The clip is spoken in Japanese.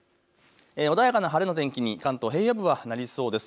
穏やかな晴れの天気に関東平野部はなりそうです。